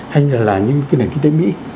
hay là những cái nền kinh tế mỹ